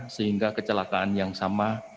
sehingga kecelakaan yang sama